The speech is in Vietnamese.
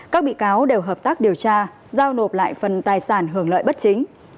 các bị cáo đều hợp tác điều tra giao nộp lại phần tài sản hưởng lợi bất chính